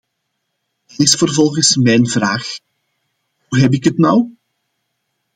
Dan is vervolgens mijn vraag: hoe heb ik het nou?